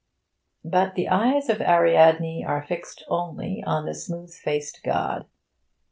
But the eyes of Ariadne are fixed only on the smooth faced god.